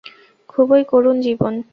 খুবই করুণ জীবন।